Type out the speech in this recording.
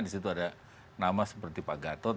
di situ ada nama seperti pak gatot